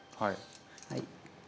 はい。